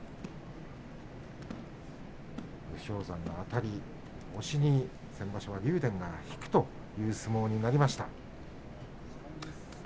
武将山のあたり、押しに先場所は竜電が引くという相撲になりました。